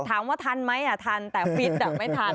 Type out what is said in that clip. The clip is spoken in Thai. ถามว่าทันไหมทันแต่ฟิตไม่ทัน